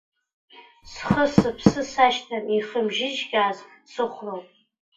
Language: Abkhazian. Схы-сыԥсы сашьҭам, ихымжьыжькааз сыхәроуп.